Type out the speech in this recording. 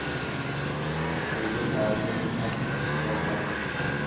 Sizga ta’zim, aziz ustozlar!